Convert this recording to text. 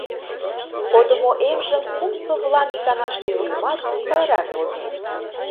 Кодымо эмжым кум совлам иканаште йӱымат, сайрак возым.